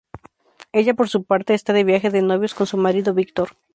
Ella, por su parte, está de viaje de novios con su marido Víctor.